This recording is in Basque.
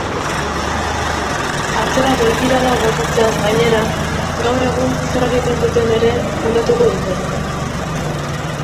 Atzera begirada botatzeaz gainera, gaur egun zer egiten duten ere kontatuko dute.